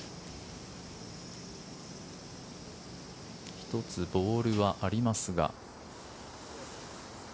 １つボールはありますが。